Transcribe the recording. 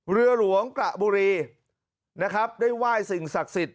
เรือหลวงกระบุรีนะครับได้ไหว้สิ่งศักดิ์สิทธิ